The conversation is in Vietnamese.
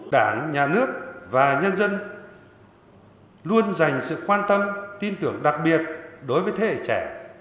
đảng nhà nước và nhân dân luôn dành sự quan tâm tin tưởng đặc biệt đối với thế hệ trẻ